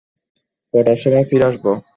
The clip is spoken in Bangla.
কটার সময় ফিরে আসব?